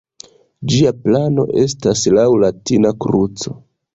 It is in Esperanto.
Ĝia plano estas laŭ latina kruco.